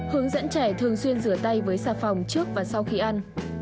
hướng dẫn trẻ thường xuyên rửa tay với xà phòng trước và sau khi ăn